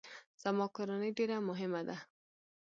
زما کورنۍ ډیره مهمه ده